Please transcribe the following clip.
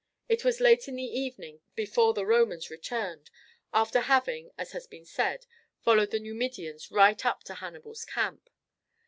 It was late in the evening before the Romans returned, after having, as has been said, followed the Numidians right up to Hannibal's camp.